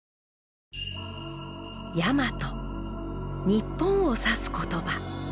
日本を指す言葉。